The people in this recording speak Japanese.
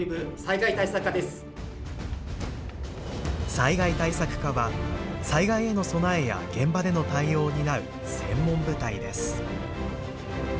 災害対策課は災害への備えや現場での対応を担う専門部隊です。